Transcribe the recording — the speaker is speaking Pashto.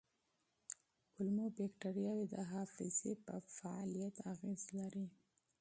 کولمو بکتریاوې د حافظې په فعالیت اغېز لري.